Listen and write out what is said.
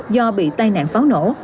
do bị tai nạn pháo nổ